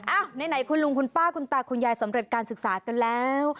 ไหนคุณลุงคุณป้าคุณตาคุณยายสำเร็จการศึกษากันแล้ว